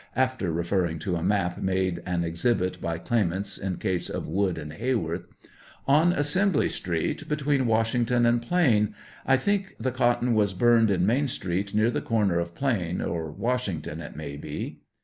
(After referring to a map, made an exhibit by claimants in case of Wood & Heyworth.) On Assem bly street, between Washington and Plain ; I think the cotton was burned in Main street, near the corner of Plain or Washington, it may be.